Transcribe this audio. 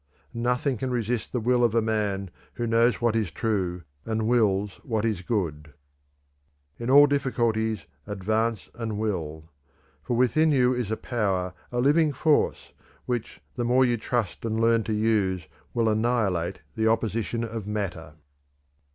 "Nothing can resist the will of a man who knows what is true and wills what is good." "In all difficulties advance and will, for within you is a power, a living force, which the more you trust and learn to use will annihilate the opposition of matter."